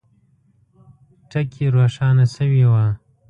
ټکي روښانه سوي وه.